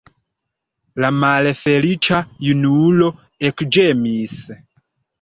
La malfeliĉa junulo ekĝemis.